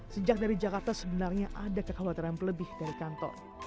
sejak dari jakarta sebenarnya ada kekhawatiran lebih dari kantor